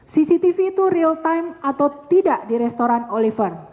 cctv itu real time atau tidak di restoran oliver